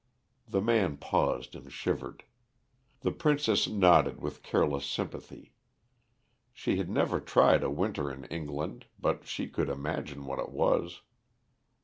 The man paused and shivered. The princess nodded with careless sympathy. She had never tried a winter in England, but she could imagine what it was.